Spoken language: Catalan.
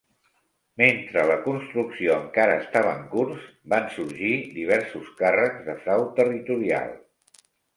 Mentre la construcció encara estava en curs, van sorgir diversos càrrecs de frau territorial.